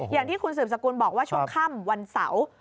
อย่างที่คุณสืบสกุลบอกว่าช่วงค่ำวันเสาร์